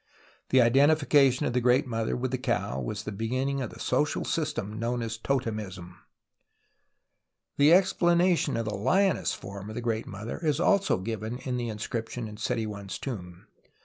The identification of the Great Mother with the cow was the beginning of the social system known as totemism. The explanation of the lioness form of the Great Mother is also given in the inscription in Seti I's tomb.